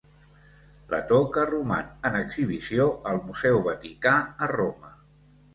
La toca roman en exhibició al Museu Vaticà a Roma.